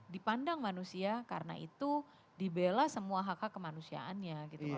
dipandang manusia karena itu dibela semua hak hak kemanusiaannya